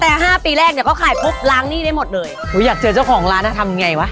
แต่ห้าปีแรกเนี้ยเขาขายปุ๊บล้างหนี้ได้หมดเลยอุ้ยอยากเจอเจ้าของร้านอ่ะทำไงวะ